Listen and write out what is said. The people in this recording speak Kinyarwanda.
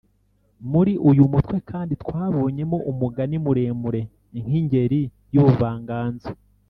muri uyu mutwe kandi twabonyemo umugani muremure nk’ingeri y’ubuvanganzo